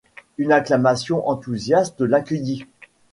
Une acclamation enthousiaste l’accueillit.